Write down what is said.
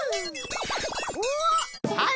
はい。